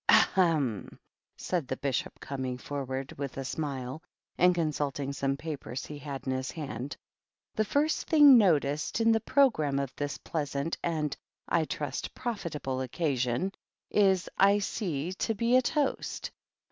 "Ahem!" said the Bishop, coming forward, with a smile, and consulting some papers he had 244 THE GBEAT OCCASION. in his hand. "The first thing noticed in the programme of this pleasant and, I trust, profitable occasion is, I see, to be a toast.